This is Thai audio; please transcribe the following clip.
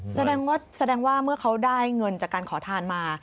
แสดงว่าแสดงว่าเมื่อเขาได้เงินจากการขอทานมา